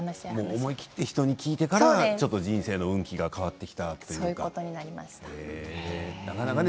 思い切って人に聞いてから人生の運気が変わってきたということなんですね。